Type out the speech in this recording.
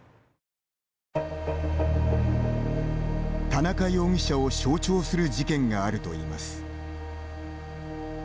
田中容疑者を象徴する事件があるといいます。